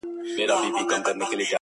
د لوی کندهار باعزته